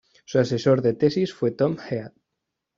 Su asesor de tesis fue Tom Head.